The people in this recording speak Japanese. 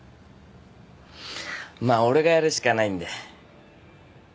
まあ俺がやるしかないんで。